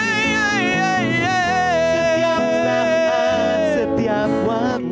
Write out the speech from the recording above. setiap saat setiap waktu